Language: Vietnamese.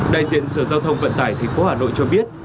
đại diện sở giao thông vận tải tp hà nội cho biết